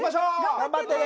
頑張ってね！